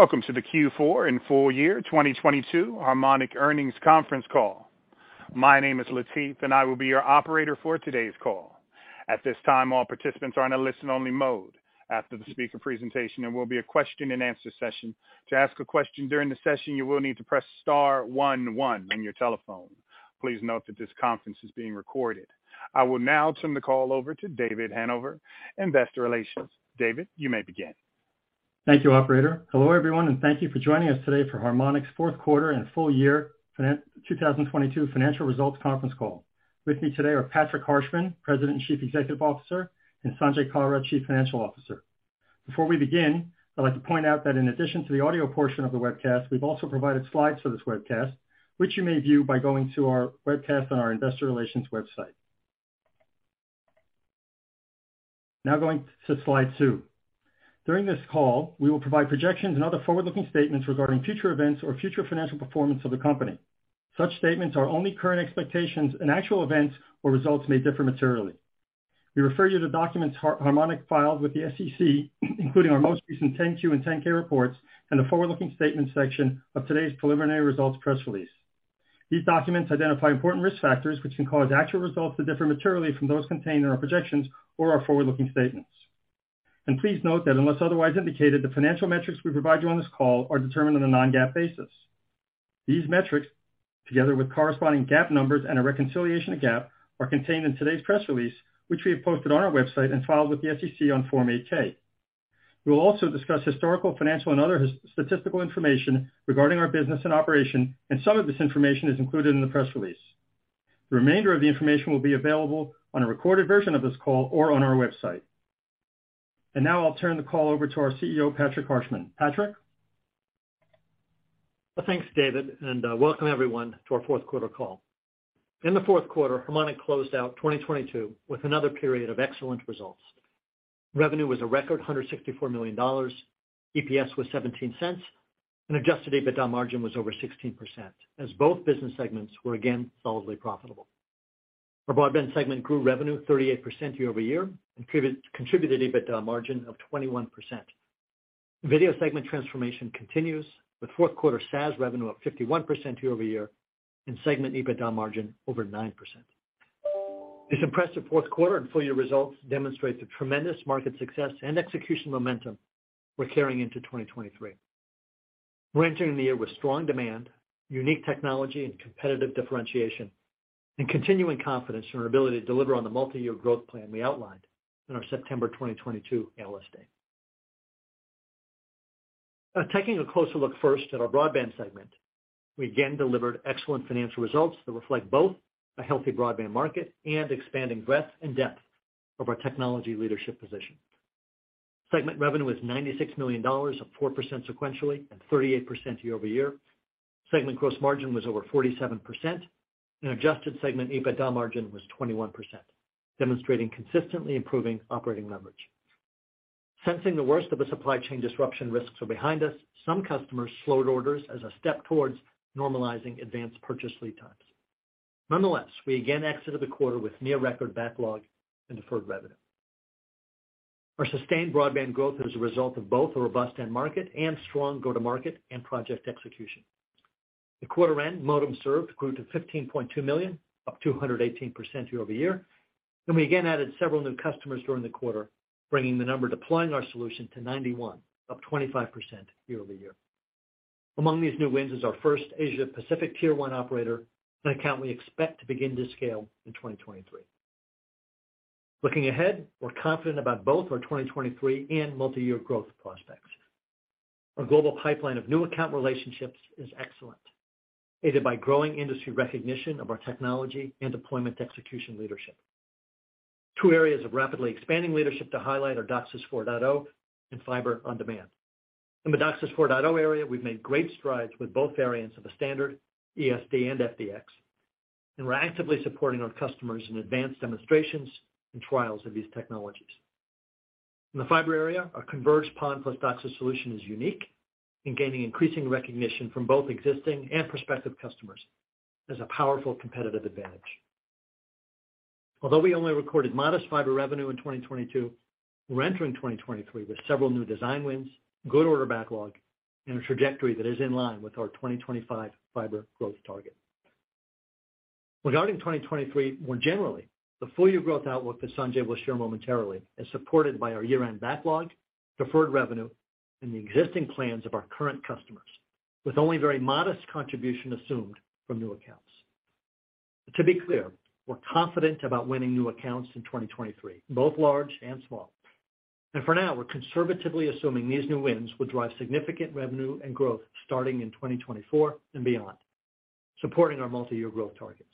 Welcome to the Q4 and full year 2022 Harmonic earnings conference call. My name is Latif, and I will be your operator for today's call. At this time, all participants are in a listen-only mode. After the speaker presentation, there will be a question-and-answer session. To ask a question during the session, you will need to press star one one in your telephone. Please note that this conference is being recorded. I will now turn the call over to David Hanover, Investor Relations. David, you may begin. Thank you, operator. Hello, everyone, and thank you for joining us today for Harmonic's fourth quarter and full year 2022 financial results conference call. With me today are Patrick Harshman, President and Chief Executive Officer, and Sanjay Kalra, Chief Financial Officer. Before we begin, I'd like to point out that in addition to the audio portion of the webcast, we've also provided slides for this webcast, which you may view by going to our webcast on our investor relations website. Going to slide two. During this call, we will provide projections and other forward-looking statements regarding future events or future financial performance of the company. Such statements are only current expectations and actual events or results may differ materially. We refer you to documents Harmonic filed with the SEC including our most recent 10-Q and 10-K reports and the forward-looking statements section of today's preliminary results press release. These documents identify important risk factors which can cause actual results to differ materially from those contained in our projections or our forward-looking statements. Please note that unless otherwise indicated, the financial metrics we provide you on this call are determined on a non-GAAP basis. These metrics, together with corresponding GAAP numbers and a reconciliation to GAAP, are contained in today's press release, which we have posted on our website and filed with the SEC on Form 8-K. We will also discuss historical, financial, and other statistical information regarding our business and operation. Some of this information is included in the press release. The remainder of the information will be available on a recorded version of this call or on our website. Now I'll turn the call over to our CEO, Patrick Harshman. Patrick. Well, thanks, David, welcome everyone to our fourth quarter call. In the fourth quarter, Harmonic closed out 2022 with another period of excellent results. Revenue was a record $164 million, EPS was $0.17, adjusted EBITDA margin was over 16%, as both business segments were again solidly profitable. Our broadband segment grew revenue 38% year-over-year and contributed EBITDA margin of 21%. Video segment transformation continues, with fourth quarter SaaS revenue up 51% year-over-year, segment EBITDA margin over 9%. This impressive fourth quarter and full year results demonstrate the tremendous market success and execution momentum we're carrying into 2023. We're entering the year with strong demand, unique technology and competitive differentiation, and continuing confidence in our ability to deliver on the multi-year growth plan we outlined in our September 2022 analyst day. Now taking a closer look first at our broadband segment. We again delivered excellent financial results that reflect both a healthy broadband market and expanding breadth and depth of our technology leadership position. Segment revenue was $96 million, up 4% sequentially and 38% year-over-year. Segment gross margin was over 47% and adjusted segment EBITDA margin was 21%, demonstrating consistently improving operating leverage. Sensing the worst of the supply chain disruption risks are behind us, some customers slowed orders as a step towards normalizing advanced purchase lead times. Nonetheless, we again exited the quarter with near record backlog and deferred revenue. Our sustained broadband growth is a result of both a robust end market and strong go-to-market and project execution. The quarter end modem served grew to $15.2 million, up 218% year-over-year. We again added several new customers during the quarter, bringing the number deploying our solution to 91, up 25% year-over-year. Among these new wins is our first Asia-Pacific tier one operator, an account we expect to begin to scale in 2023. Looking ahead, we're confident about both our 2023 and multi-year growth prospects. Our global pipeline of new account relationships is excellent, aided by growing industry recognition of our technology and deployment execution leadership. Two areas of rapidly expanding leadership to highlight are DOCSIS 4.0 and fiber-on-demand. In the DOCSIS 4.0 area, we've made great strides with both variants of the standard ESD and FDX. We're actively supporting our customers in advanced demonstrations and trials of these technologies. In the fiber area, our converged PON plus DOCSIS solution is unique in gaining increasing recognition from both existing and prospective customers as a powerful competitive advantage. Although we only recorded modest fiber revenue in 2022, we're entering 2023 with several new design wins, good order backlog, and a trajectory that is in line with our 2025 fiber growth target. Regarding 2023, more generally, the full year growth outlook that Sanjay will share momentarily is supported by our year-end backlog, deferred revenue, and the existing plans of our current customers, with only very modest contribution assumed from new accounts. To be clear, we're confident about winning new accounts in 2023, both large and small. For now, we're conservatively assuming these new wins will drive significant revenue and growth starting in 2024 and beyond, supporting our multi-year growth targets.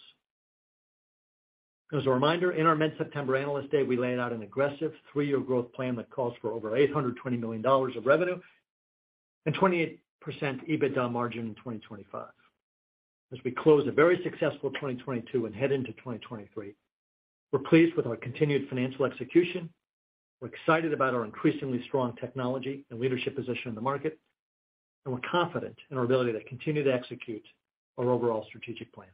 As a reminder, in our mid-September analyst day, we laid out an aggressive three-year growth plan that calls for over $820 million of revenue and 28% EBITDA margin in 2025. As we close a very successful 2022 and head into 2023, we're pleased with our continued financial execution. We're excited about our increasingly strong technology and leadership position in the market, and we're confident in our ability to continue to execute our overall strategic plan.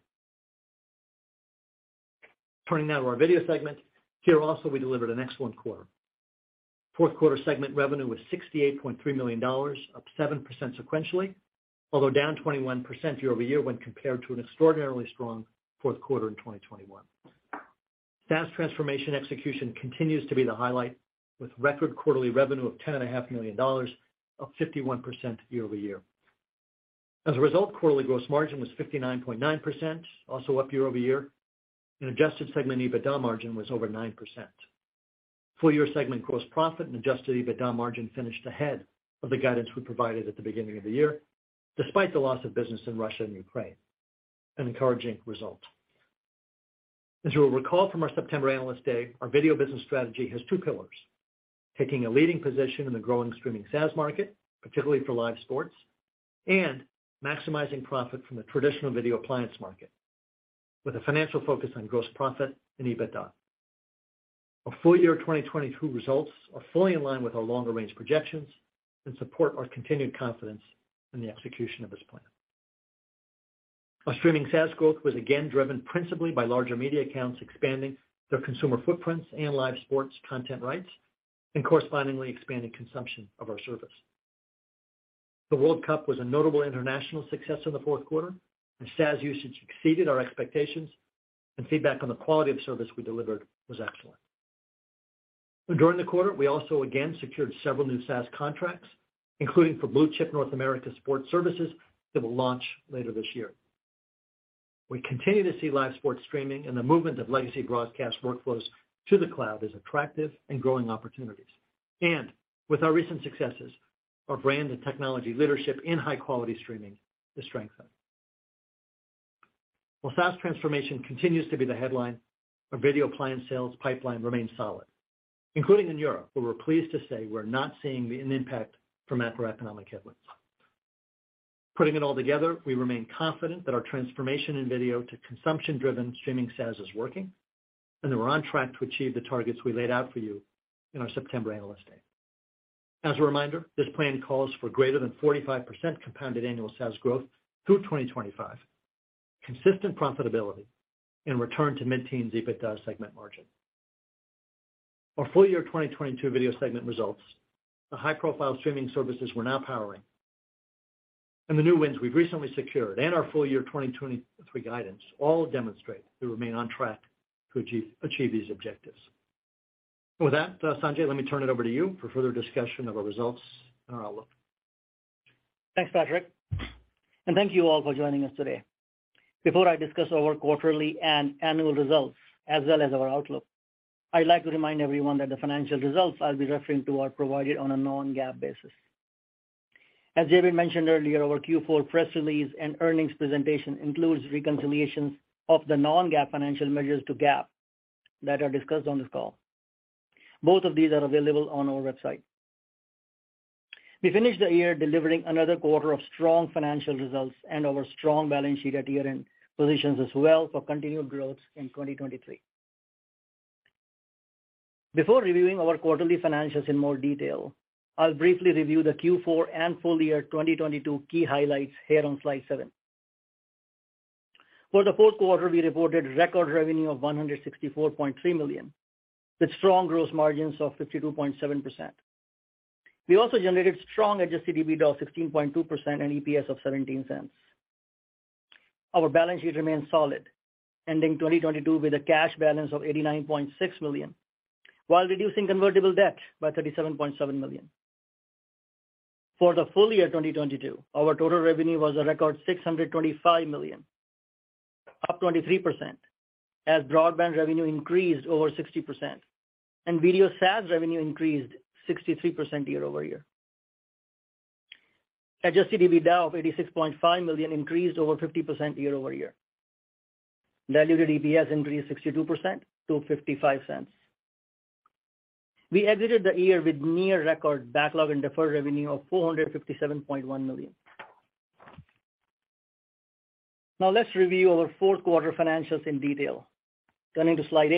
Turning now to our video segment. Here also, we delivered an excellent quarter. Fourth quarter segment revenue was $68.3 million, up 7% sequentially, although down 21% year-over-year when compared to an extraordinarily strong fourth quarter in 2021. SaaS transformation execution continues to be the highlight, with record quarterly revenue of ten and a half million dollars, up 51% year-over-year. As a result, quarterly gross margin was 59.9%, also up year-over-year, and adjusted segment EBITDA margin was over 9%. Full year segment gross profit and adjusted EBITDA margin finished ahead of the guidance we provided at the beginning of the year, despite the loss of business in Russia and Ukraine. An encouraging result. As you'll recall from our September Analyst Day, our video business strategy has two pillars: taking a leading position in the growing streaming SaaS market, particularly for live sports, and maximizing profit from the traditional video appliance market with a financial focus on gross profit and EBITDA. Our full year 2022 results are fully in line with our longer-range projections and support our continued confidence in the execution of this plan. Our streaming SaaS growth was again driven principally by larger media accounts expanding their consumer footprints and live sports content rights, and correspondingly expanding consumption of our service. The World Cup was a notable international success in the fourth quarter, and SaaS usage exceeded our expectations, and feedback on the quality of service we delivered was excellent. During the quarter, we also again secured several new SaaS contracts, including for blue-chip North America sports services that will launch later this year. We continue to see live sports streaming and the movement of legacy broadcast workflows to the cloud as attractive and growing opportunities. With our recent successes, our brand and technology leadership in high-quality streaming is strengthened. While SaaS transformation continues to be the headline, our video client sales pipeline remains solid, including in Europe, where we're pleased to say we're not seeing an impact from macroeconomic headwinds. Putting it all together, we remain confident that our transformation in video to consumption-driven streaming SaaS is working, and that we're on track to achieve the targets we laid out for you in our September Analyst Day. As a reminder, this plan calls for greater than 45% compounded annual SaaS growth through 2025, consistent profitability, and return to mid-teens EBITDA segment margin. Our full year 2022 video segment results, the high-profile streaming services we're now powering, and the new wins we've recently secured, and our full year 2023 guidance all demonstrate we remain on track to achieve these objectives. With that, Sanjay, let me turn it over to you for further discussion of our results and our outlook. Thanks, Patrick. Thank you all for joining us today. Before I discuss our quarterly and annual results, as well as our outlook, I'd like to remind everyone that the financial results I'll be referring to are provided on a non-GAAP basis. As David mentioned earlier, our Q4 press release and earnings presentation includes reconciliations of the non-GAAP financial measures to GAAP that are discussed on this call. Both of these are available on our website. We finished the year delivering another quarter of strong financial results. Our strong balance sheet at year-end positions us well for continued growth in 2023. Before reviewing our quarterly financials in more detail, I'll briefly review the Q4 and full year 2022 key highlights here on slide seven. For the fourth quarter, we reported record revenue of $164.3 million, with strong gross margins of 52.7%. We also generated strong adjusted EBITDA of 16.2% and EPS of $0.17. Our balance sheet remains solid, ending 2022 with a cash balance of $89.6 million, while reducing convertible debt by $37.7 million. For the full year 2022, our total revenue was a record $625 million, up 23%, as broadband revenue increased over 60% and video SaaS revenue increased 63% year-over-year. Adjusted EBITDA of $86.5 million increased over 50% year-over-year. Diluted EPS increased 62% to $0.55. We exited the year with near record backlog and deferred revenue of $457.1 million. Let's review our fourth quarter financials in detail. Turning to slide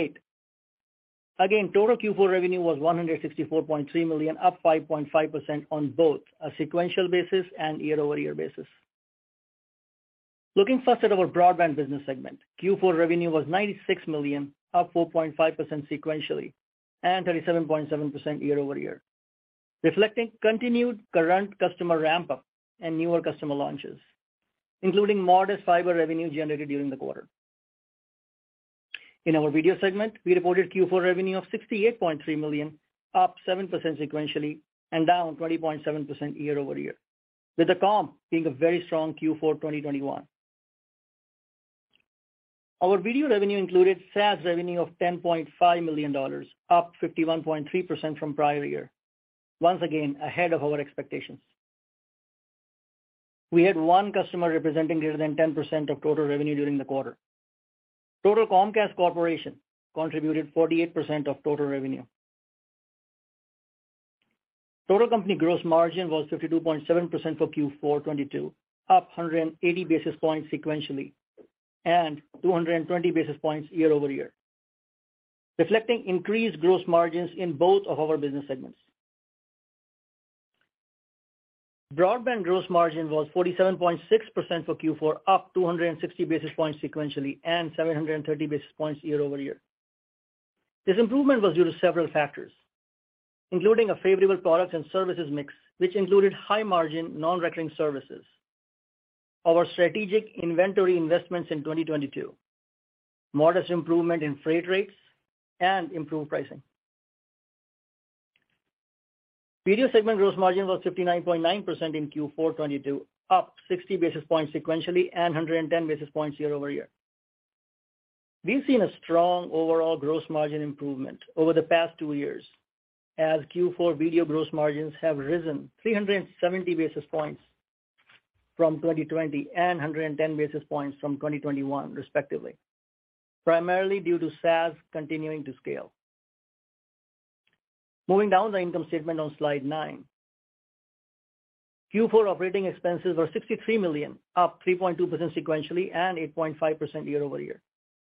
8. Total Q4 revenue was $164.3 million, up 5.5% on both a sequential basis and year-over-year basis. Looking first at our broadband business segment. Q4 revenue was $96 million, up 4.5% sequentially and 37.7% year-over-year, reflecting continued current customer ramp-up and newer customer launches, including modest fiber revenue generated during the quarter. In our video segment, we reported Q4 revenue of $68.3 million, up 7% sequentially and down 20.7% year-over-year, with the comp being a very strong Q4 2021. Our video revenue included SaaS revenue of $10.5 million, up 51.3% from prior year. Once again, ahead of our expectations. We had one customer representing greater than 10% of total revenue during the quarter. Total Comcast Corporation contributed 48% of total revenue. Total company gross margin was 52.7% for Q4 2022, up 180 basis points sequentially and 220 basis points year-over-year, reflecting increased gross margins in both of our business segments. Broadband gross margin was 47.6% for Q4, up 260 basis points sequentially and 730 basis points year-over-year. This improvement was due to several factors, including a favorable products and services mix, which included high-margin, non-recurring services, our strategic inventory investments in 2022, modest improvement in freight rates, and improved pricing. Video segment gross margin was 59.9% in Q4 2022, up 60 basis points sequentially and 110 basis points year-over-year. We've seen a strong overall gross margin improvement over the past two years as Q4 video gross margins have risen 370 basis points from 2020 and 110 basis points from 2021 respectively, primarily due to SaaS continuing to scale. Moving down the income statement on slide nine. Q4 operating expenses were $63 million, up 3.2% sequentially and 8.5% year-over-year.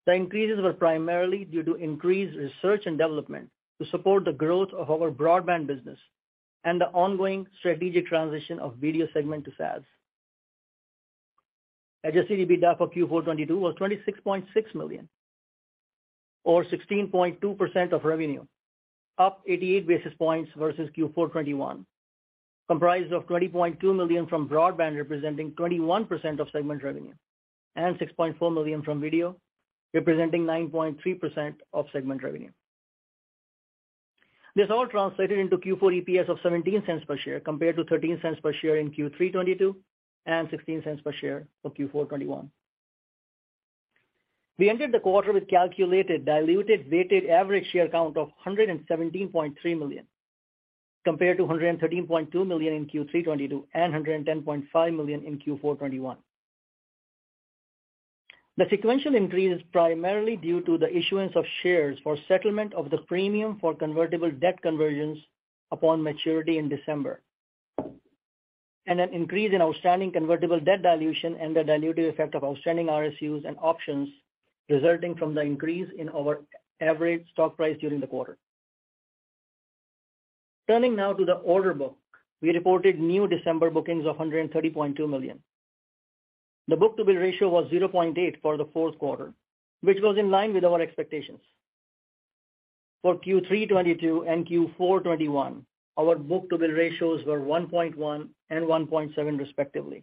The increases were primarily due to increased research and development to support the growth of our broadband business and the ongoing strategic transition of video segment to SaaS. Adjusted EBITDA for Q4 2022 was $26.6 million or 16.2% of revenue, up 88 basis points versus Q4 2021, comprised of $20.2 million from broadband, representing 21% of segment revenue, and $6.4 million from video, representing 9.3% of segment revenue. This all translated into Q4 EPS of $0.17 per share, compared to $0.13 per share in Q3 2022 and $0.16 per share for Q4 2021. We ended the quarter with calculated diluted weighted average share count of 117.3 million compared to 113.2 million in Q3 2022 and 110.5 million in Q4 2021. The sequential increase is primarily due to the issuance of shares for settlement of the premium for convertible debt conversions upon maturity in December, and an increase in outstanding convertible debt dilution and the dilutive effect of outstanding RSUs and options resulting from the increase in our average stock price during the quarter. Turning now to the order book. We reported new December bookings of $130.2 million. The book-to-bill ratio was 0.8 for the fourth quarter, which was in line with our expectations. For Q3 2022 and Q4 2021, our book-to-bill ratios were 1.1 and 1.7, respectively,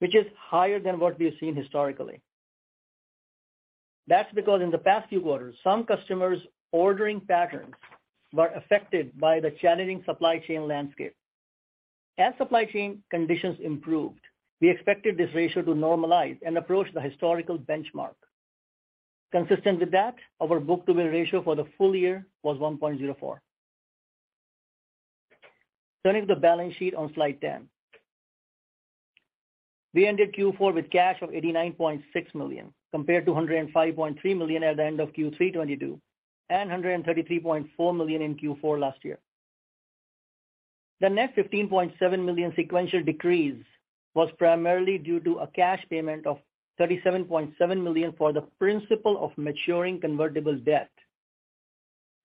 which is higher than what we have seen historically. That's because in the past few quarters, some customers' ordering patterns were affected by the challenging supply chain landscape. As supply chain conditions improved, we expected this ratio to normalize and approach the historical benchmark. Consistent with that, our book-to-bill ratio for the full year was 1.04. Turning to the balance sheet on slide 10. We ended Q4 with cash of $89.6 million, compared to $105.3 million at the end of Q3 2022 and $133.4 million in Q4 last year. The net $15.7 million sequential decrease was primarily due to a cash payment of $37.7 million for the principal of maturing convertible debt.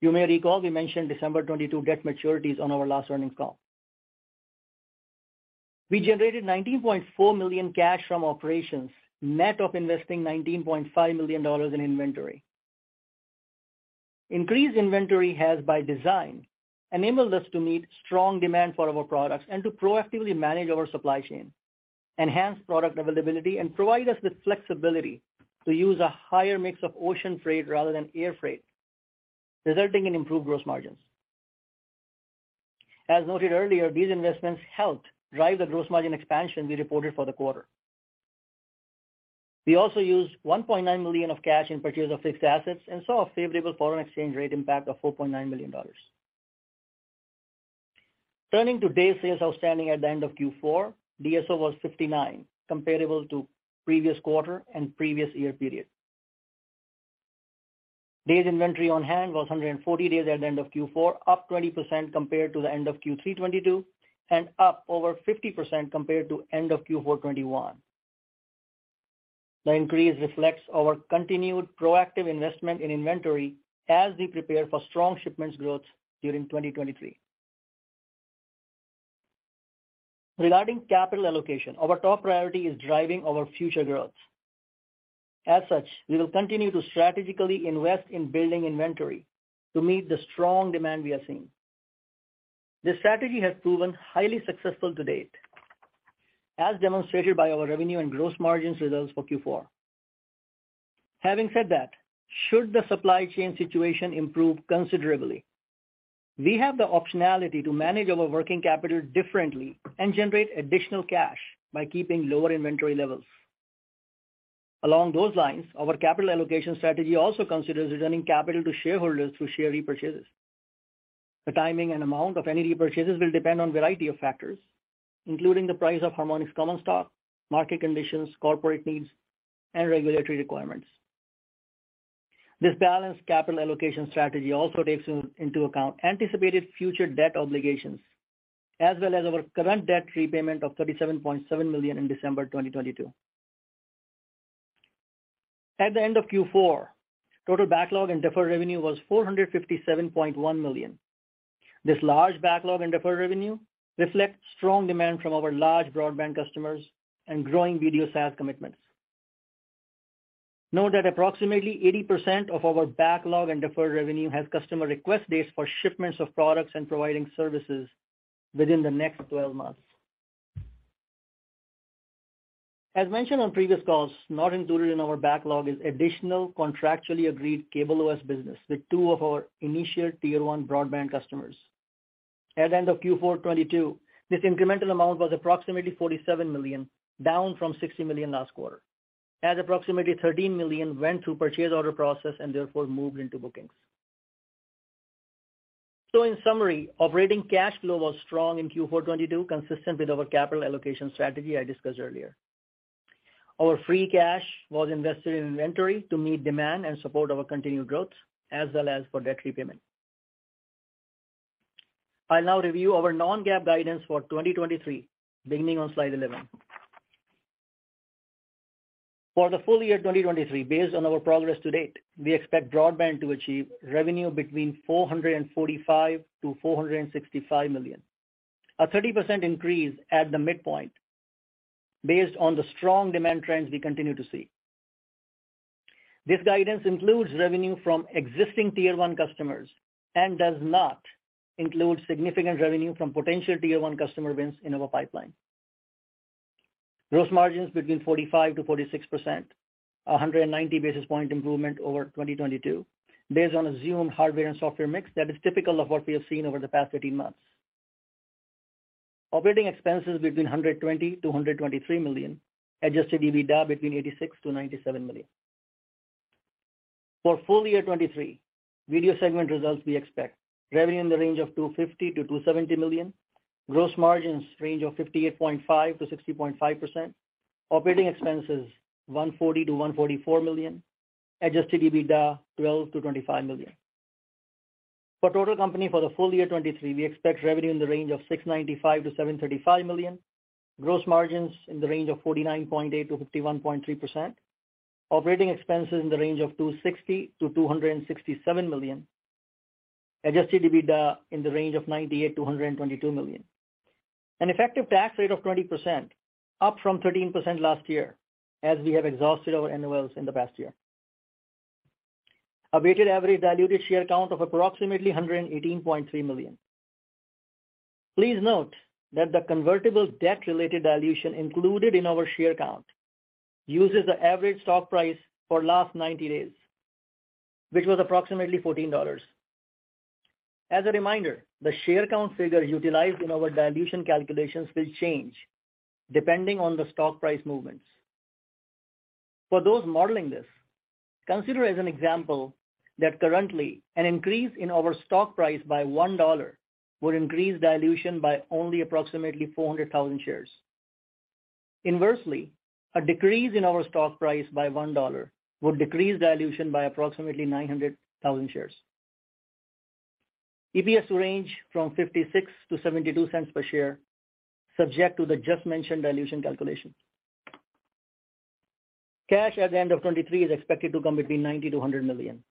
You may recall we mentioned December 2022 debt maturities on our last earnings call. We generated $19.4 million cash from operations, net of investing $19.5 million in inventory. Increased inventory has, by design, enabled us to meet strong demand for our products and to proactively manage our supply chain, enhance product availability, and provide us with flexibility to use a higher mix of ocean freight rather than air freight, resulting in improved gross margins. As noted earlier, these investments helped drive the gross margin expansion we reported for the quarter. We also used $1.9 million of cash in purchase of fixed assets and saw a favorable foreign exchange rate impact of $4.9 million. Turning to day sales outstanding at the end of Q4. DSO was 59, comparable to previous quarter and previous year period. Days inventory on hand was 140 days at the end of Q4, up 20% compared to the end of Q3 2022 and up over 50% compared to end of Q4 2021. The increase reflects our continued proactive investment in inventory as we prepare for strong shipments growth during 2023. Regarding capital allocation, our top priority is driving our future growth. As such, we will continue to strategically invest in building inventory to meet the strong demand we are seeing. This strategy has proven highly successful to date, as demonstrated by our revenue and gross margins results for Q4. Having said that, should the supply chain situation improve considerably, we have the optionality to manage our working capital differently and generate additional cash by keeping lower inventory levels. Along those lines, our capital allocation strategy also considers returning capital to shareholders through share repurchases. The timing and amount of any repurchases will depend on a variety of factors, including the price of Harmonic's common stock, market conditions, corporate needs, and regulatory requirements. This balanced capital allocation strategy also takes into account anticipated future debt obligations, as well as our current debt repayment of $37.7 million in December 2022. At the end of Q4, total backlog and deferred revenue was $457.1 million. This large backlog in deferred revenue reflects strong demand from our large broadband customers and growing video SaaS commitments. Note that approximately 80% of our backlog and deferred revenue has customer request dates for shipments of products and providing services within the next 12 months. As mentioned on previous calls, not included in our backlog is additional contractually agreed CableOS business with two of our initial tier one broadband customers. At the end of Q4 2022, this incremental amount was approximately $47 million, down from $60 million last quarter, as approximately $13 million went through purchase order process and therefore moved into bookings. In summary, operating cash flow was strong in Q4 2022, consistent with our capital allocation strategy I discussed earlier. Our free cash was invested in inventory to meet demand and support our continued growth as well as for debt repayment. I'll now review our non-GAAP guidance for 2023, beginning on slide 11. For the full year 2023, based on our progress to date, we expect broadband to achieve revenue between $445 million-$465 million, a 30% increase at the midpoint based on the strong demand trends we continue to see. This guidance includes revenue from existing tier one customers and does not include significant revenue from potential tier one customer wins in our pipeline. Gross margins between 45%-46%, a 190 basis point improvement over 2022 based on assumed hardware and software mix that is typical of what we have seen over the past 13 months. Operating expenses between $120 million-$123 million. Adjusted EBITDA between $86 million-$97 million. For full year 2023, video segment results, we expect revenue in the range of $250 million-$270 million. Gross margins range of 58.5%-60.5%. Operating expenses, $140 million-$144 million. Adjusted EBITDA, $12 million-$25 million. For total company for the full year 2023, we expect revenue in the range of $695 million-$735 million. Gross margins in the range of 49.8%-51.3%. Operating expenses in the range of $260 million-$267 million. Adjusted EBITDA in the range of $98 million-$122 million. An effective tax rate of 20%, up from 13% last year, as we have exhausted our NOLs in the past year. A weighted average diluted share count of approximately 118.3 million. Please note that the convertible debt-related dilution included in our share count uses the average stock price for last 90 days, which was approximately $14. As a reminder, the share count figure utilized in our dilution calculations will change depending on the stock price movements. For those modeling this, consider as an example that currently an increase in our stock price by $1 would increase dilution by only approximately 400,000 shares. Inversely, a decrease in our stock price by $1 would decrease dilution by approximately 900,000 shares. EPS range from $0.56-$0.72 per share, subject to the just-mentioned dilution calculation. Cash at the end of 2023 is expected to come between $90 million-$100 million.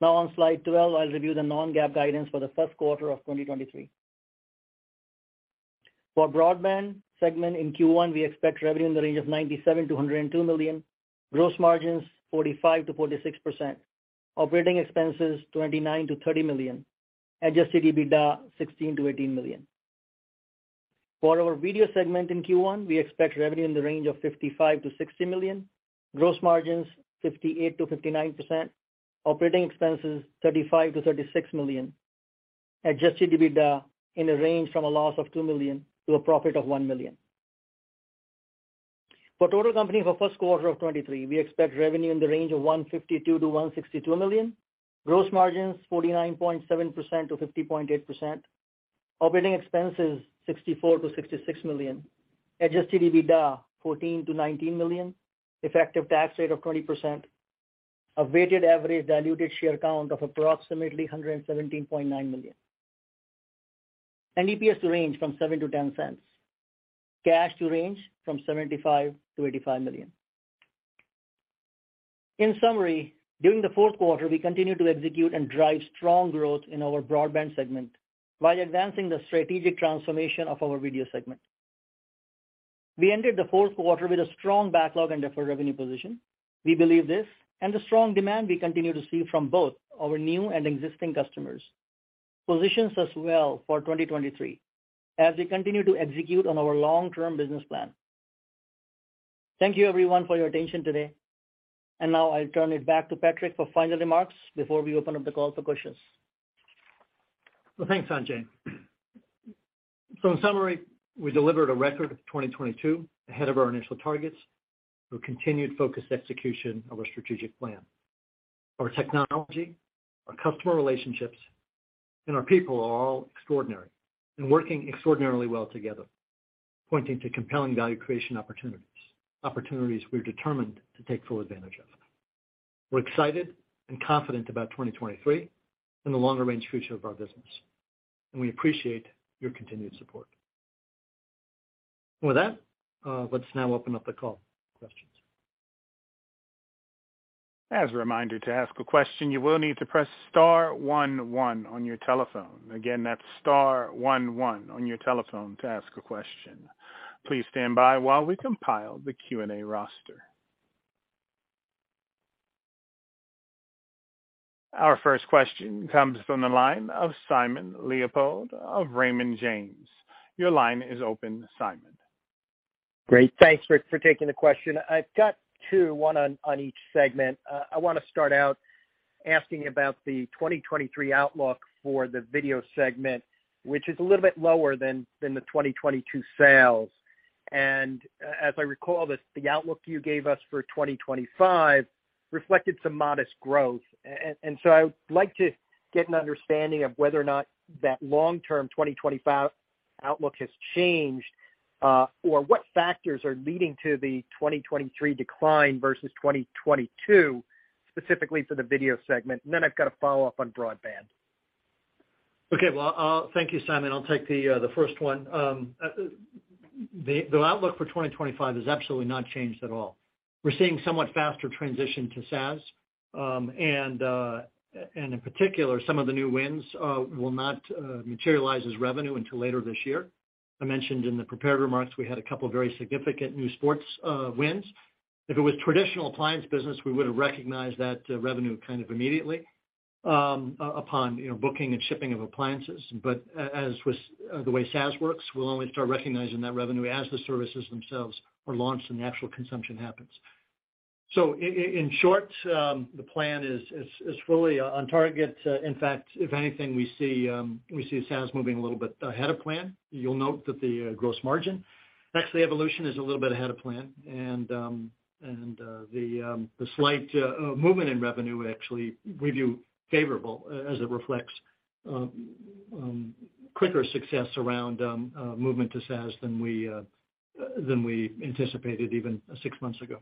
On slide 12, I'll review the non-GAAP guidance for the first quarter of 2023. For broadband segment in Q1, we expect revenue in the range of $97 million-$102 million. Gross margins, 45%-46%. Operating expenses, $29 million-$30 million. Adjusted EBITDA, $16 million-$18 million. For our video segment in Q1, we expect revenue in the range of $55 million-$60 million. Gross margins, 58%-59%. Operating expenses, $35 million-$36 million. Adjusted EBITDA in a range from a loss of $2 million to a profit of $1 million. For total company for first quarter of 2023, we expect revenue in the range of $152 million-$162 million. Gross margins, 49.7%-50.8%. Operating expenses, $64 million-$66 million. Adjusted EBITDA, $14 million-$19 million. Effective tax rate of 20%. A weighted average diluted share count of approximately 117.9 million. EPS range from $0.07-$0.10. Cash to range from $75 million-$85 million. In summary, during the fourth quarter, we continued to execute and drive strong growth in our broadband segment while advancing the strategic transformation of our video segment. We ended the fourth quarter with a strong backlog and deferred revenue position. We believe this and the strong demand we continue to see from both our new and existing customers positions us well for 2023 as we continue to execute on our long-term business plan. Thank you everyone for your attention today. Now I'll turn it back to Patrick for final remarks before we open up the call for questions. Well, thanks, Sanjay. In summary, we delivered a record of 2022 ahead of our initial targets through continued focused execution of our strategic plan. Our technology, our customer relationships, and our people are all extraordinary and working extraordinarily well together, pointing to compelling value creation opportunities we're determined to take full advantage of. We're excited and confident about 2023 and the longer-range future of our business. We appreciate your continued support. With that, let's now open up the call for questions. As a reminder, to ask a question, you will need to press star one one on your telephone. Again, that's star one one on your telephone to ask a question. Please stand by while we compile the Q&A roster. Our first question comes from the line of Simon Leopold of Raymond James. Your line is open, Simon. Great. Thanks for taking the question. I've got two, one on each segment. I wanna start out asking about the 2023 outlook for the video segment, which is a little bit lower than the 2022 sales. As I recall, the outlook you gave us for 2025 reflected some modest growth. So I would like to get an understanding of whether or not that long-term 2025 outlook has changed, or what factors are leading to the 2023 decline versus 2022, specifically for the video segment. Then I've got a follow-up on broadband. Okay. Well, Thank you, Simon. I'll take the first one. The outlook for 2025 has absolutely not changed at all. We're seeing somewhat faster transition to SaaS, and in particular, some of the new wins will not materialize as revenue until later this year. I mentioned in the prepared remarks we had a couple of very significant new sports wins. If it was traditional appliance business, we would've recognized that revenue kind of immediately upon, you know, booking and shipping of appliances. As with the way SaaS works, we'll only start recognizing that revenue as the services themselves are launched and the actual consumption happens. In short, the plan is fully on target. In fact, if anything, we see, we see SaaS moving a little bit ahead of plan. You'll note that the gross margin. Actually, evolution is a little bit ahead of plan. The slight movement in revenue actually we view favorable as it reflects quicker success around movement to SaaS than we anticipated even six months ago.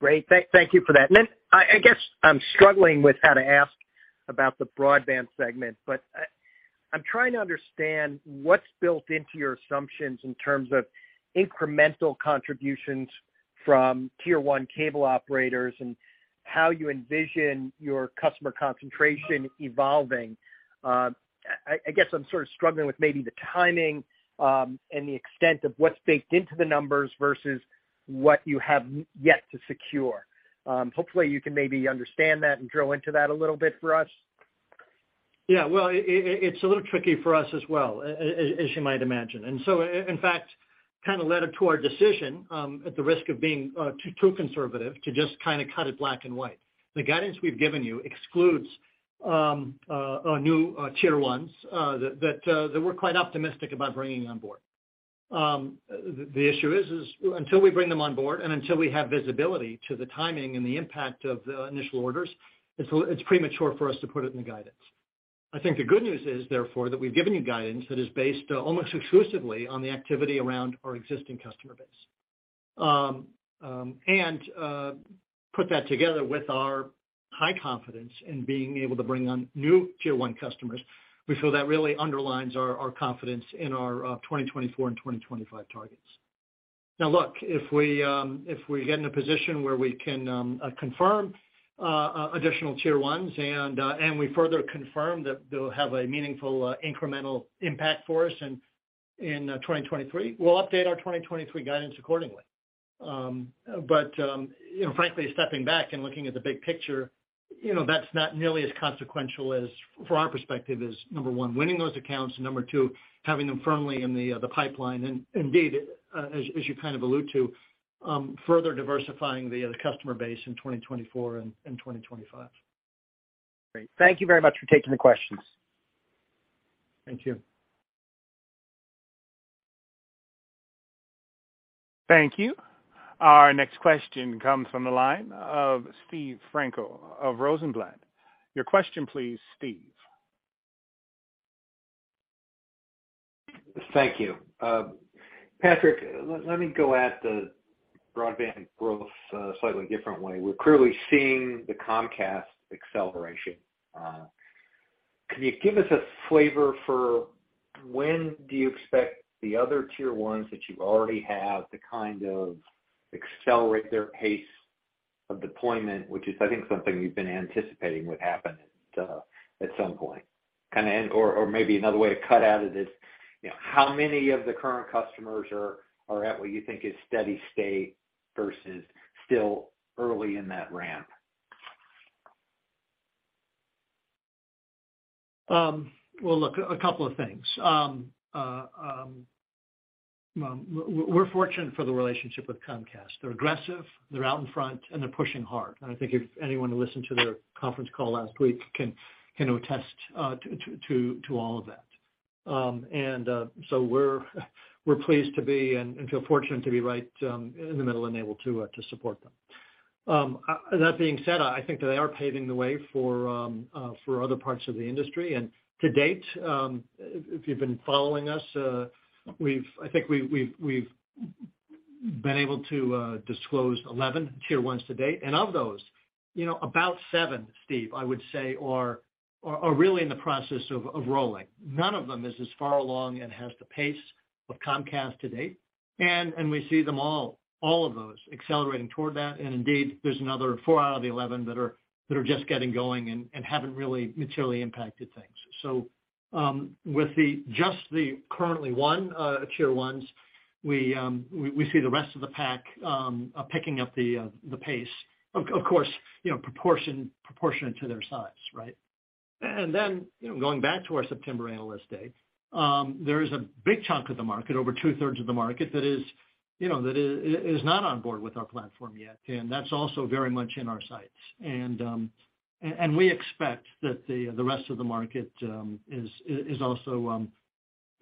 Great. Thank you for that. I guess I'm struggling with how to ask about the broadband segment, but I'm trying to understand what's built into your assumptions in terms of incremental contributions from tier one cable operators and how you envision your customer concentration evolving. I guess I'm sort of struggling with maybe the timing, and the extent of what's baked into the numbers versus what you have yet to secure. Hopefully, you can maybe understand that and drill into that a little bit for us. Yeah. Well, it's a little tricky for us as well, as you might imagine. In fact, kinda led to our decision, at the risk of being too conservative, to just kinda cut it black and white. The guidance we've given you excludes new tier ones that we're quite optimistic about bringing on board. The issue is until we bring them on board and until we have visibility to the timing and the impact of the initial orders, it's premature for us to put it in the guidance. I think the good news is, therefore, that we've given you guidance that is based almost exclusively on the activity around our existing customer base. Put that together with our high confidence in being able to bring on new tier one customers. We feel that really underlines our confidence in our 2024 and 2025 targets. Look, if we get in a position where we can confirm additional tier ones and we further confirm that they'll have a meaningful incremental impact for us in 2023, we'll update our 2023 guidance accordingly. You know, frankly, stepping back and looking at the big picture, you know, that's not nearly as consequential as, from our perspective, as number one, winning those accounts, and number two, having them firmly in the pipeline, and indeed, as you kind of allude to, further diversifying the customer base in 2024 and 2025. Great. Thank you very much for taking the questions. Thank you. Thank you. Our next question comes from the line of Steven Frankel of Rosenblatt. Your question, please, Steven. Thank you. Patrick, let me go at the broadband growth a slightly different way. We're clearly seeing the Comcast acceleration. Can you give us a flavor for when do you expect the other tier ones that you already have to kind of accelerate their pace of deployment, which is, I think, something you've been anticipating would happen at some point? Maybe another way to cut at it is, you know, how many of the current customers are at what you think is steady state versus still early in that ramp? Well, look, a couple of things. Well, we're fortunate for the relationship with Comcast. They're aggressive, they're out in front, and they're pushing hard. I think if anyone listened to their conference call last week can attest to all of that. So we're pleased to be and feel fortunate to be right in the middle and able to support them. That being said, I think they are paving the way for other parts of the industry. To date, if you've been following us, I think we've been able to disclose 11 Tier ones to date. Of those, you know, about seven, Steve, I would say are really in the process of rolling. None of them is as far along and has the pace of Comcast to date. We see them all of those accelerating toward that. Indeed, there's another four out of the 11 that are just getting going and haven't really materially impacted things. Just the currently one Tier ones, we see the rest of the pack picking up the pace. Of course, you know, proportionate to their size, right? Then, you know, going back to our September Analyst Day, there is a big chunk of the market, over 2/3 of the market that is, you know, that is not on board with our platform yet. That's also very much in our sights. We expect that the rest of the market is also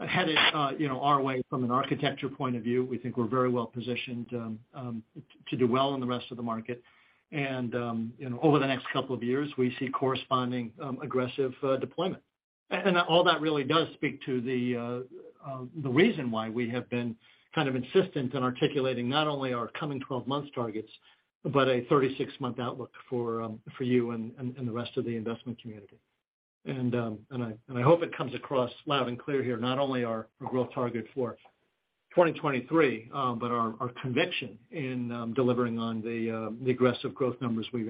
headed, you know, our way from an architecture point of view. We think we're very well positioned to do well in the rest of the market. You know, over the next couple of years, we see corresponding aggressive deployment. All that really does speak to the reason why we have been kind of insistent in articulating not only our coming 12 months targets, but a 36 month outlook for you and the rest of the investment community. I hope it comes across loud and clear here, not only our growth target for 2023, but our conviction in delivering on the aggressive growth numbers we've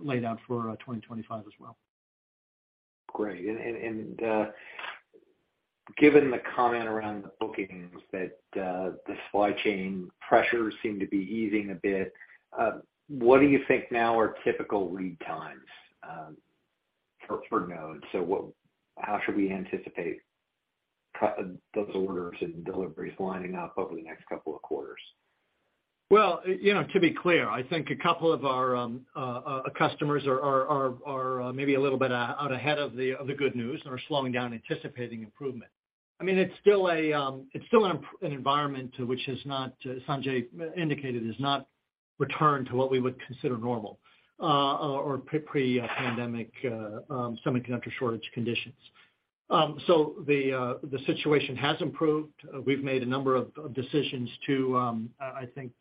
laid out for 2025 as well. Great. Given the comment around the bookings that the supply chain pressures seem to be easing a bit, what do you think now are typical lead times for nodes? How should we anticipate those orders and deliveries lining up over the next couple of quarters? Well, you know, to be clear, I think a couple of our customers are maybe a little bit out ahead of the good news and are slowing down, anticipating improvement. I mean, it's still an environment which has not, Sanjay indicated, has not returned to what we would consider normal or pre-pandemic semiconductor shortage conditions. The situation has improved. We've made a number of decisions to, I think,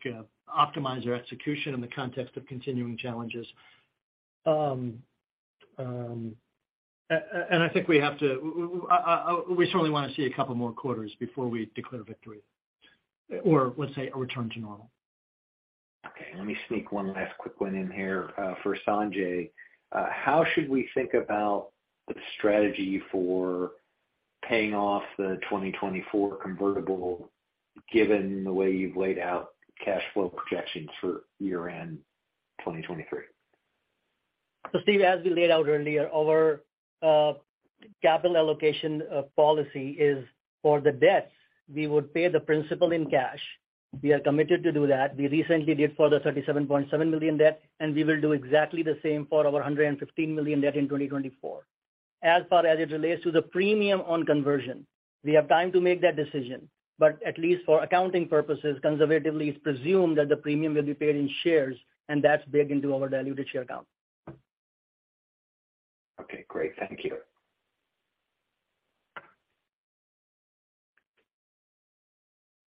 optimize our execution in the context of continuing challenges. I think we have to, we certainly want to see a couple more quarters before we declare victory or, let's say, a return to normal. Okay, let me sneak one last quick one in here, for Sanjay. How should we think about the strategy for paying off the 2024 convertible, given the way you've laid out cash flow projections for year-end 2023? Steve, as we laid out earlier, our capital allocation policy is for the debts, we would pay the principal in cash. We are committed to do that. We recently did for the $37.7 million debt, and we will do exactly the same for our $115 million debt in 2024. As far as it relates to the premium on conversion, we have time to make that decision. At least for accounting purposes, conservatively, it's presumed that the premium will be paid in shares, and that's baked into our diluted share count. Okay, great. Thank you.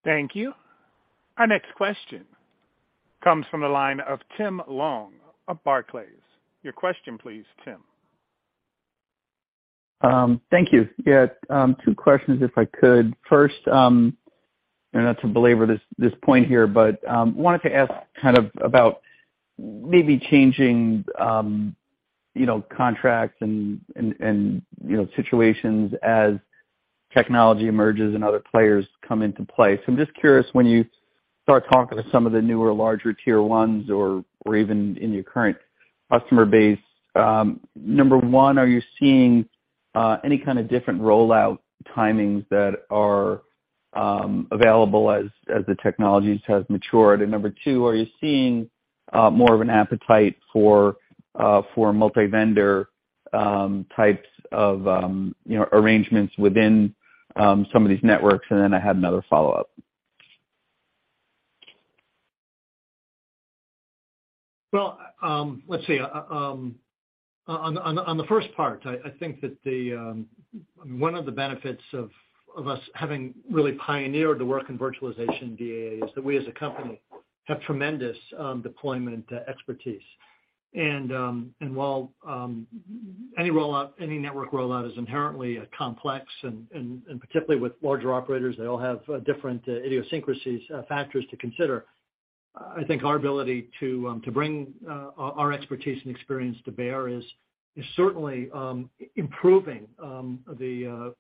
Thank you. Our next question comes from the line of Tim Long of Barclays. Your question, please, Tim. Thank you. Two questions if I could. First, not to belabor this point here, wanted to ask kind of about maybe changing, you know, contracts and, you know, situations as technology emerges and other players come into play. I'm just curious, when you start talking to some of the newer, larger Tier ones or even in your current customer base, number one, are you seeing any kind of different rollout timings that are available as the technologies have matured? Number two, are you seeing more of an appetite for multi-vendor types of, you know, arrangements within some of these networks? I had another follow-up. Well, let's see. On the first part, I think that one of the benefits of us having really pioneered the work in virtualization, VAA, is that we as a company have tremendous deployment expertise. While any rollout, any network rollout is inherently complex, and particularly with larger operators, they all have different idiosyncrasies, factors to consider. I think our ability to bring our expertise and experience to bear is certainly improving the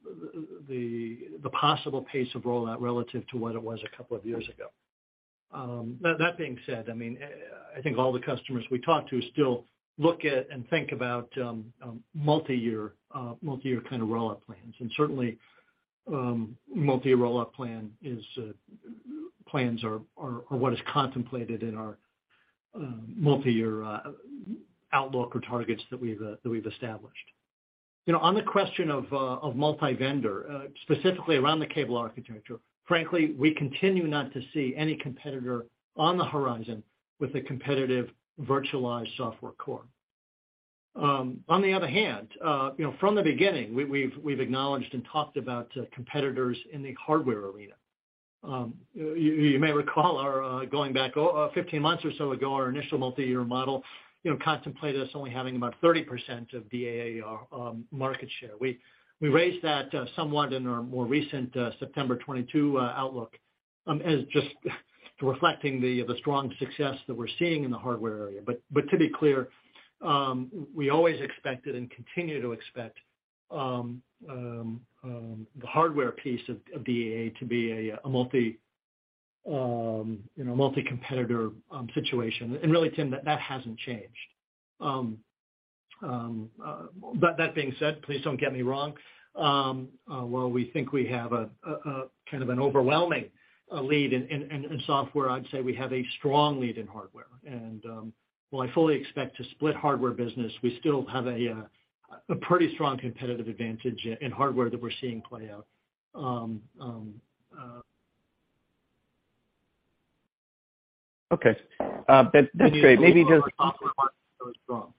possible pace of rollout relative to what it was a couple of years ago. That being said, I mean, I think all the customers we talk to still look at and think about multi-year kind of rollout plans. Certainly, multi-rollout plan is plans are what is contemplated in our multi-year outlook or targets that we've established. You know, on the question of multi-vendor, specifically around the cable architecture, frankly, we continue not to see any competitor on the horizon with a competitive virtualized software core. On the other hand, you know, from the beginning, we've acknowledged and talked about competitors in the hardware arena. You may recall our going back 15 months or so ago, our initial multi-year model, you know, contemplated us only having about 30% of DAA market share. We raised that somewhat in our more recent September 2022 outlook, as just to reflecting the strong success that we're seeing in the hardware area. To be clear, we always expected and continue to expect the hardware piece of DAA to be a multi- you know, multi-competitor situation. Really, Tim, that hasn't changed. That being said, please don't get me wrong. While we think we have a kind of an overwhelming lead in software, I'd say we have a strong lead in hardware. While I fully expect to split hardware business, we still have a pretty strong competitive advantage in hardware that we're seeing play out. Okay. That's great. Maybe. Our software part is still strong.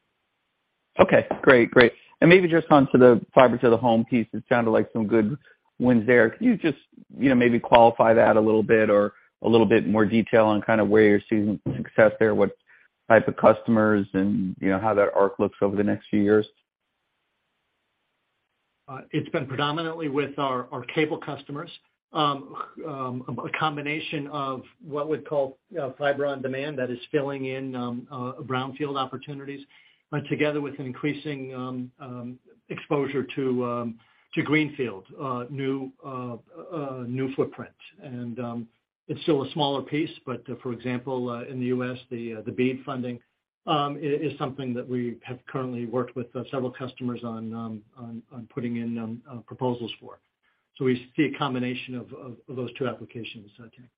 Okay, great. Great. Maybe just onto the fiber to the home piece, it sounded like some good wins there. Can you just, you know, maybe qualify that a little bit or a little bit more detail on kind of where you're seeing success there? What type of customers and you know, how that arc looks over the next few years? It's been predominantly with our cable customers. A combination of what we'd call fiber-on-demand that is filling in brownfield opportunities together with an increasing exposure to Greenfield, new footprint. It's still a smaller piece. For example, in the U.S., the BEAD funding is something that we have currently worked with several customers on putting in proposals for. We see a combination of those two applications, Tim.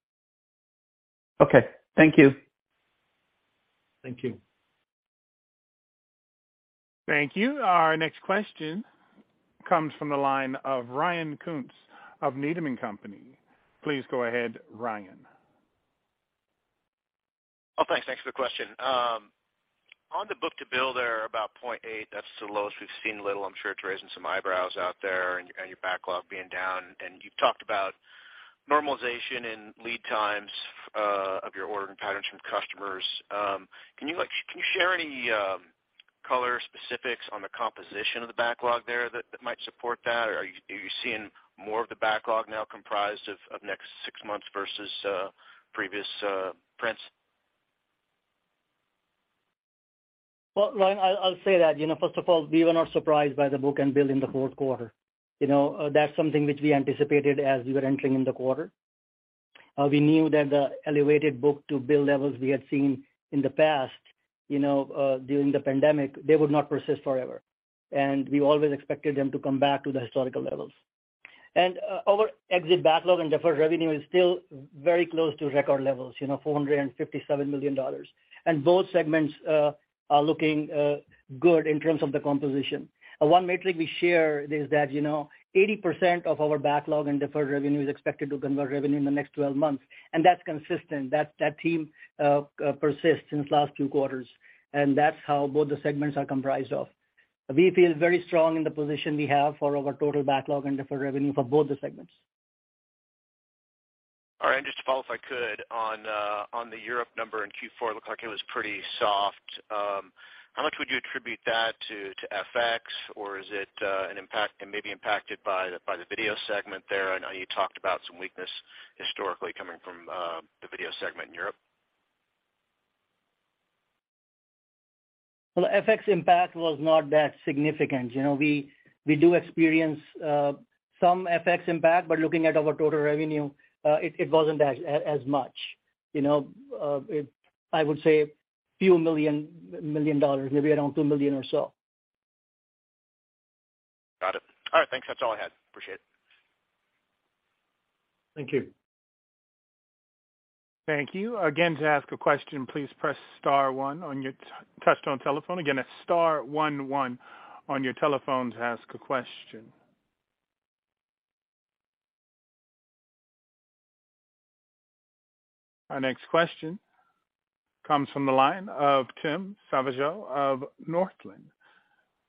Okay, thank you. Thank you. Thank you. Our next question comes from the line of Ryan Koontz of Needham & Company. Please go ahead, Ryan. Oh, thanks. Thanks for the question. On the book-to-bill there about 0.8, that's the lowest we've seen little. I'm sure it's raising some eyebrows out there and your backlog being down. You've talked about normalization in lead times of your ordering patterns from customers. Can you share any color specifics on the composition of the backlog there that might support that? Or are you seeing more of the backlog now comprised of next six months versus previous prints? Well, Ryan, I'll say that, you know, first of all, we were not surprised by the book and bill in the fourth quarter. You know, that's something which we anticipated as we were entering in the quarter. We knew that the elevated book-to-bill levels we had seen in the past, you know, during the pandemic, they would not persist forever. We always expected them to come back to the historical levels. Our exit backlog and deferred revenue is still very close to record levels, you know, $457 million. Both segments are looking good in terms of the composition. One metric we share is that, you know, 80% of our backlog and deferred revenue is expected to convert revenue in the next 12 months. That's consistent. That team persists since last two quarters. That's how both the segments are comprised of. We feel very strong in the position we have for our total backlog and deferred revenue for both the segments. All right. Just to follow if I could on the Europe number in Q4, looked like it was pretty soft. How much would you attribute that to FX? Is it an impact and maybe impacted by the video segment there? I know you talked about some weakness historically coming from, the video segment in Europe. The FX impact was not that significant. You know, we do experience some FX impact, but looking at our total revenue, it wasn't as much, you know. I would say few million dollars, maybe around $2 million or so. Got it. All right, thanks. That's all I had. Appreciate it. Thank you. Thank you. Again, to ask a question, please press star one on your touchtone telephone. Again, it's star one one on your telephone to ask a question. Our next question comes from the line of Tim Savageau of Northland.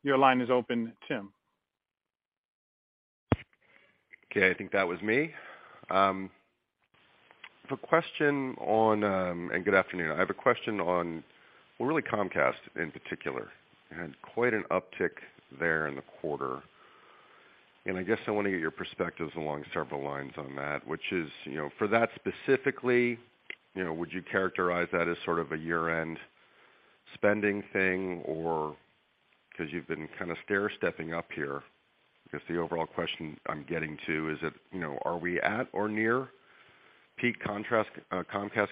Your line is open, Tim. Okay, I think that was me. I have a question on. Good afternoon. I have a question on, well, really Comcast in particular. You had quite an uptick there in the quarter. I guess I want to get your perspectives along several lines on that, which is, you know, for that specifically, you know, would you characterize that as sort of a year-end spending thing or because you've been kind of stair stepping up here? I guess the overall question I'm getting to is that, you know, are we at or near peak Comcast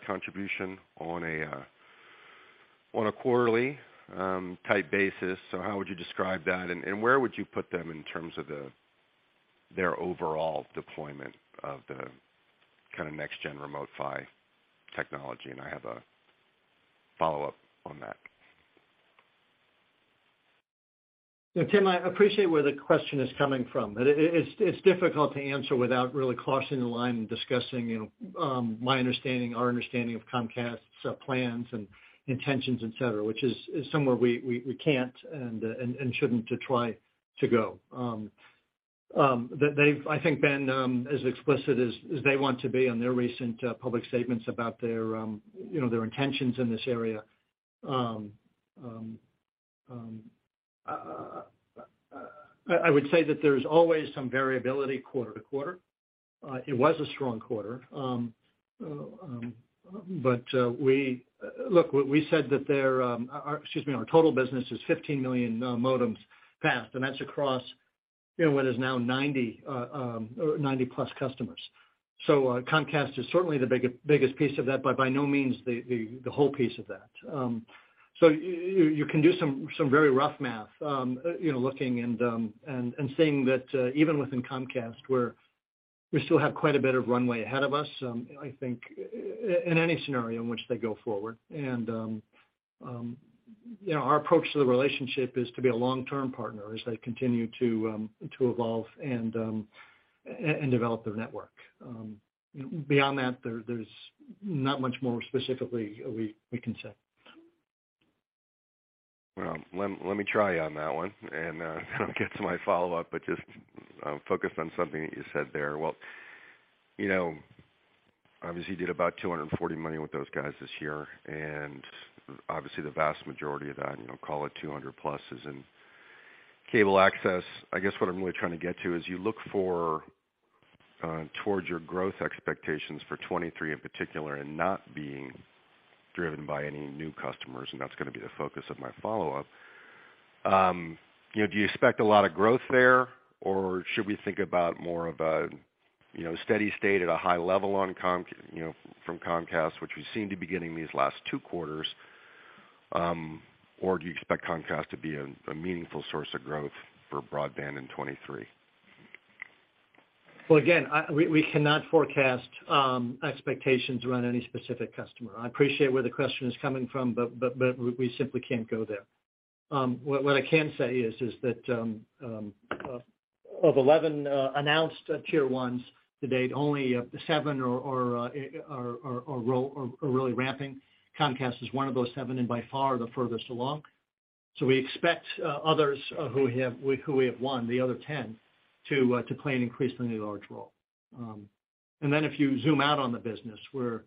contribution on a quarterly type basis? How would you describe that? Where would you put them in terms of their overall deployment of the kind of next gen Remote PHY technology? I have a follow-up on that. Yeah, Tim, I appreciate where the question is coming from. It's difficult to answer without really crossing the line and discussing, you know, my understanding, our understanding of Comcast's plans and intentions, et cetera, which is somewhere we can't and shouldn't to try to go. They've, I think, been as explicit as they want to be on their recent public statements about their, you know, their intentions in this area. I would say that there's always some variability quarter-to-quarter. It was a strong quarter. Look, we said that there, excuse me, our total business is 15 million modems passed, and that's across, you know, what is now 90 or 90+ customers. Comcast is certainly the biggest piece of that, but by no means the whole piece of that. You can do some very rough math, you know, looking and seeing that even within Comcast, we still have quite a bit of runway ahead of us, I think in any scenario in which they go forward. You know, our approach to the relationship is to be a long-term partner as they continue to evolve and develop their network. Beyond that, there's not much more specifically we can say. Let me try on that one and kind of get to my follow-up, but just focus on something that you said there. You know, obviously you did about $240 million with those guys this year, and obviously the vast majority of that, you know, call it $200+, is in cable access. I guess what I'm really trying to get to is you look for towards your growth expectations for 2023 in particular and not being driven by any new customers, and that's going to be the focus of my follow-up. You know, do you expect a lot of growth there, or should we think about more of a, you know, steady state at a high level on you know, from Comcast, which we seem to be getting these last two quarters, or do you expect Comcast to be a meaningful source of growth for broadband in 2023? Well, again, we cannot forecast expectations around any specific customer. I appreciate where the question is coming from, but we simply can't go there. What I can say is that of 11 announced tier ones to date, only seven are really ramping. Comcast is one of those seven and by far the furthest along. We expect others who we have won, the other 10, to play an increasingly large role. If you zoom out on the business, we're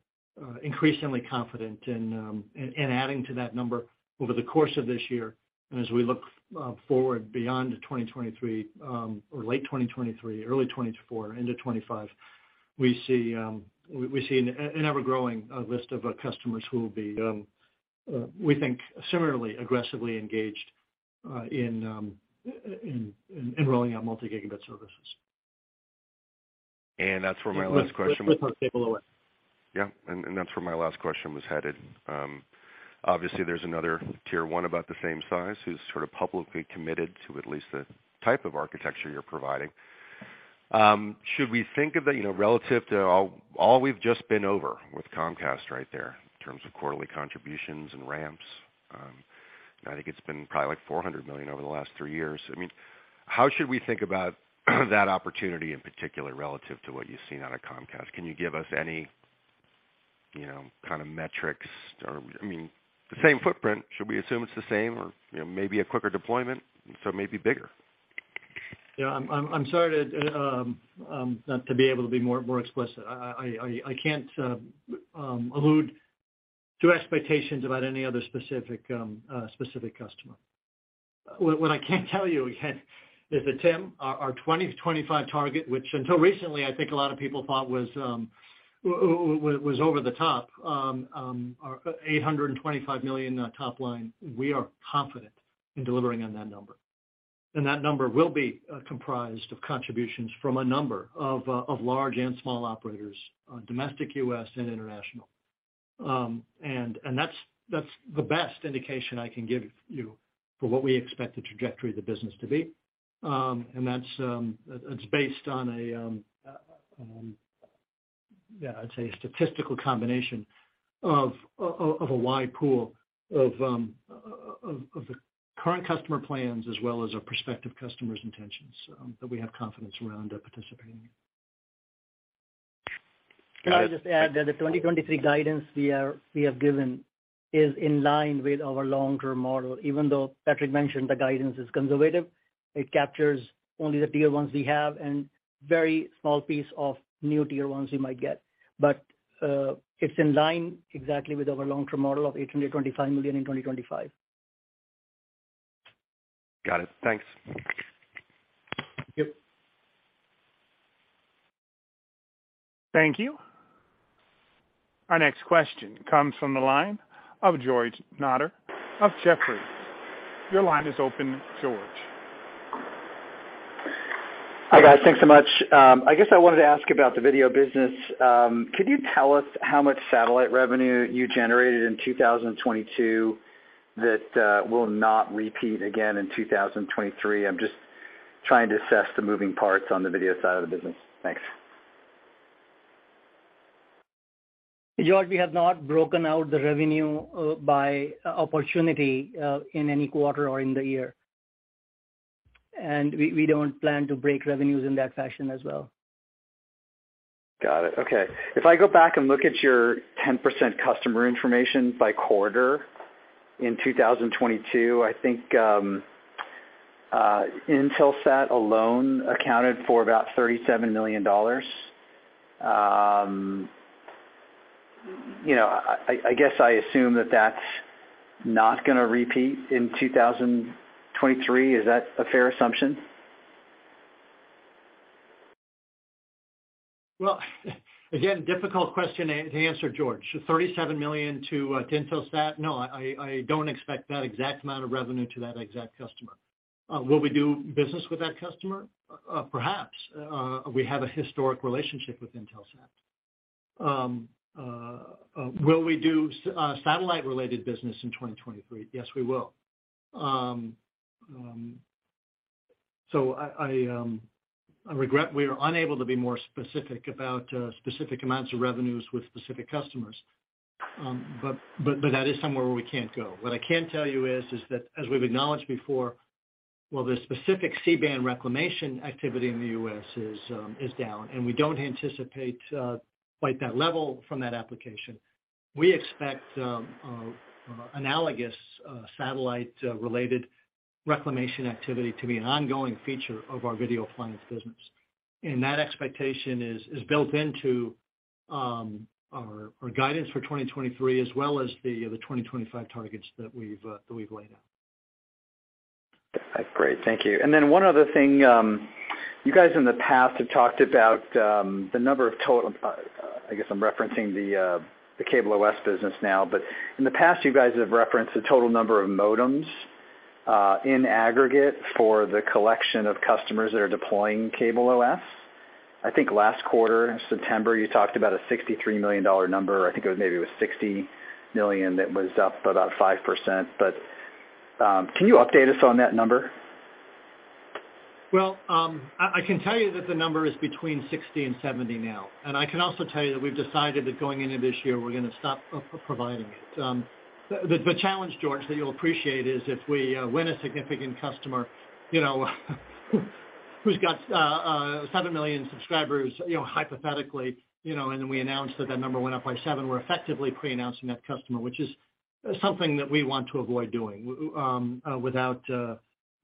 increasingly confident in adding to that number over the course of this year. As we look forward beyond 2023, or late 2023, early 2024 into 2025, we see an ever-growing list of customers who will be, we think, similarly aggressively engaged in enrolling our multi-gigabit services. That's where my last question Let's not stay below it. Yeah, that's where my last question was headed. Obviously, there's another tier one about the same size who's sort of publicly committed to at least the type of architecture you're providing. Should we think of it, you know, relative to all we've just been over with Comcast right there in terms of quarterly contributions and ramps? I think it's been probably like $400 million over the last three years. I mean, how should we think about that opportunity in particular relative to what you've seen out of Comcast? Can you give us any, you know, kind of metrics? I mean, the same footprint, should we assume it's the same or, you know, maybe a quicker deployment, so it may be bigger? Yeah. I'm sorry to not to be able to be more explicit. I can't allude to expectations about any other specific specific customer. What I can tell you, Tim, our 2025 target, which until recently I think a lot of people thought was over the top, our $825 million top line, we are confident in delivering on that number. That number will be comprised of contributions from a number of large and small operators, domestic U.S. and international. That's, that's the best indication I can give you for what we expect the trajectory of the business to be. That's based on a, yeah, I'd say a statistical combination of a wide pool of the current customer plans as well as our prospective customers' intentions, that we have confidence around participating in. Got it. Can I just add that the 2023 guidance we have given is in line with our long-term model. Even though Patrick mentioned the guidance is conservative, it captures only the tier ones we have and very small piece of new tier ones we might get. It's in line exactly with our long-term model of $825 million in 2025. Got it. Thanks. Yep. Thank you. Our next question comes from the line of George Notter of Jefferies. Your line is open, George. Hi, guys. Thanks so much. I guess I wanted to ask about the video business. Could you tell us how much satellite revenue you generated in 2022 that will not repeat again in 2023? I'm just trying to assess the moving parts on the video side of the business. Thanks. George, we have not broken out the revenue by opportunity in any quarter or in the year. We don't plan to break revenues in that fashion as well. Got it. Okay. If I go back and look at your 10% customer information by quarter in 2022, I think Intelsat alone accounted for about $37 million. You know, I guess I assume that that's not gonna repeat in 2023. Is that a fair assumption? Again, difficult question to answer, George. $37 million to Intelsat. No, I don't expect that exact amount of revenue to that exact customer. Will we do business with that customer? Perhaps. We have a historic relationship with Intelsat. Will we do satellite-related business in 2023? Yes, we will. I regret we are unable to be more specific about specific amounts of revenues with specific customers. That is somewhere where we can't go. What I can tell you is that, as we've acknowledged before, while the specific C-band reclamation activity in the U.S. is down, and we don't anticipate quite that level from that application. We expect analogous satellite related reclamation activity to be an ongoing feature of our video appliance business. That expectation is built into our guidance for 2023 as well as the 2025 targets that we've laid out. Great. Thank you. One other thing, you guys in the past have talked about. I guess I'm referencing the CableOS business now. In the past, you guys have referenced the total number of modems in aggregate for the collection of customers that are deploying CableOS. I think last quarter in September, you talked about a $63 million number. I think it was $60 million that was up by about 5%. Can you update us on that number? I can tell you that the number is between 60 and 70 now. I can also tell you that we've decided that going into this year, we're gonna stop providing it. The challenge, George Notter, that you'll appreciate is if we win a significant customer, you know, who's got 7 million subscribers, you know, hypothetically, you know, and then we announce that that number went up by seven, we're effectively pre-announcing that customer, which is something that we want to avoid doing without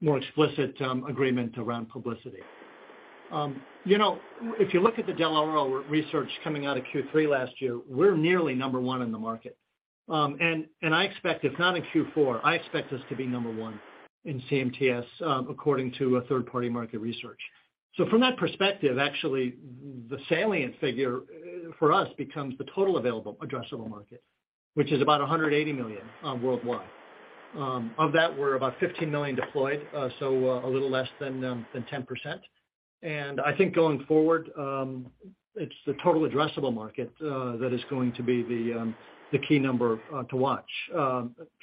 more explicit agreement around publicity. You know, if you look at the Dell'Oro Group research coming out of Q3 last year, we're nearly number one in the market. I expect, if not in Q4, I expect us to be number one in CMTS, according to a third-party market research. From that perspective, actually, the salient figure for us becomes the total available addressable market, which is about $180 million worldwide. Of that, we're about $15 million deployed, so a little less than 10%. I think going forward, it's the total addressable market that is going to be the key number to watch.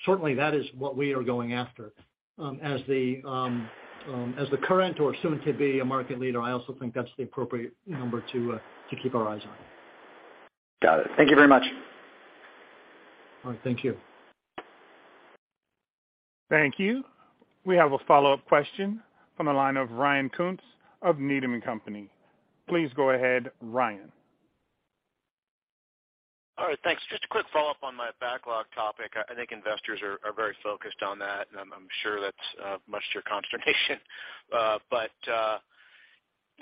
Certainly, that is what we are going after. As the current or soon to be a market leader, I also think that's the appropriate number to keep our eyes on. Got it. Thank you very much. All right. Thank you. Thank you. We have a follow-up question from the line of Ryan Koontz of Needham & Company. Please go ahead, Ryan. All right. Thanks. Just a quick follow-up on the backlog topic. I think investors are very focused on that, and I'm sure that's much to your consternation.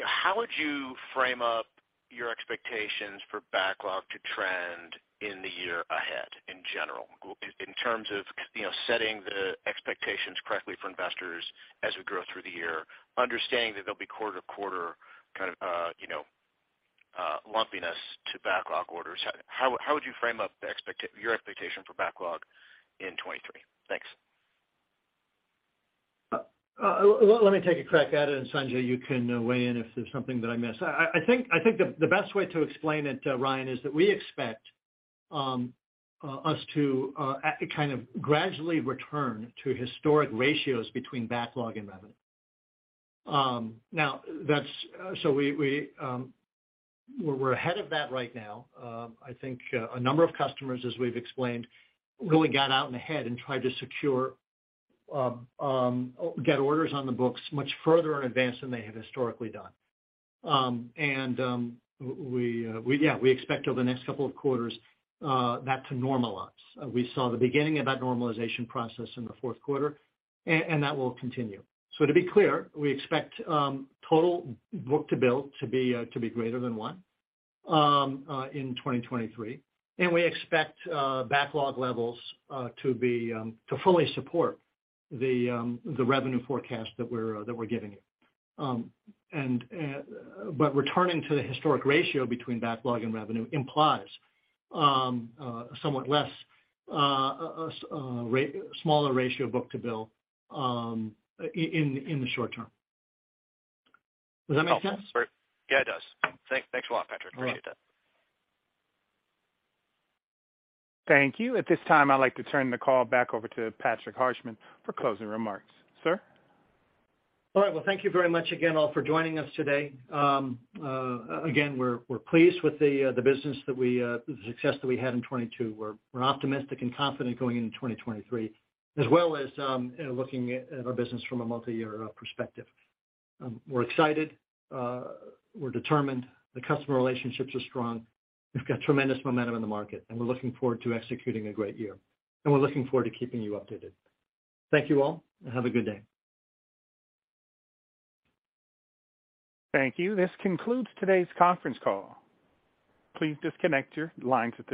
How would you frame up your expectations for backlog to trend in the year ahead in general in terms of, you know, setting the expectations correctly for investors as we grow through the year, understanding that there'll be quarter to quarter kind of, you know, lumpiness to backlog orders? How would you frame up your expectation for backlog in 2023? Thanks. Let me take a crack at it, and, Sanjay, you can weigh in if there's something that I miss. I think the best way to explain it, Ryan, is that we expect us to kind of gradually return to historic ratios between backlog and revenue. Now that's, so we're ahead of that right now. I think a number of customers, as we've explained, really got out in ahead and tried to secure get orders on the books much further in advance than they have historically done. We, yeah, we expect over the next couple of quarters that to normalize. We saw the beginning of that normalization process in the fourth quarter, and that will continue. To be clear, we expect total book-to-bill to be greater than one in 2023, and we expect backlog levels to be to fully support the revenue forecast that we're that we're giving you. Returning to the historic ratio between backlog and revenue implies somewhat less smaller ratio book-to-bill in the short term. Does that make sense? Yeah, it does. Thanks a lot, Patrick. Appreciate that. All right. Thank you. At this time, I'd like to turn the call back over to Patrick Harshman for closing remarks. Sir? All right. Well, thank you very much again, all, for joining us today. Again, we're pleased with the business that we, the success that we had in 2022. We're optimistic and confident going into 2023, as well as looking at our business from a multi-year perspective. We're excited. We're determined. The customer relationships are strong. We've got tremendous momentum in the market, and we're looking forward to executing a great year, and we're looking forward to keeping you updated. Thank you all, and have a good day. Thank you. This concludes today's conference call. Please disconnect your lines at this time.